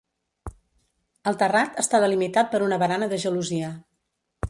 El terrat està delimitat per una barana de gelosia.